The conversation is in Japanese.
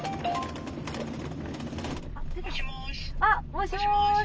もしもし。